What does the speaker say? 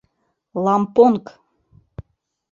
— Лампонг!..